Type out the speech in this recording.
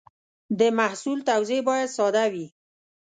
د محصول توضیح باید ساده وي.